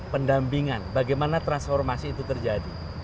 pendampingan bagaimana transformasi itu terjadi